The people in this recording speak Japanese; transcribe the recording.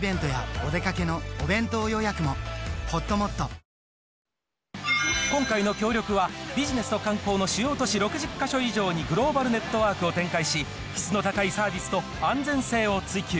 血圧１３０超えたらサントリー「胡麻麦茶」今回の協力は、ビジネスと観光の主要都市６０か所以上にグローバルネットワークを展開し、質の高いサービスと安全性を追求。